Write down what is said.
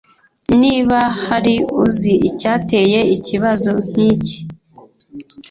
niba hari uzi icyateye ikibazo nkiki